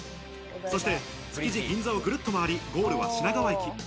そして築地、銀座をぐるっと回り、ゴールは品川駅。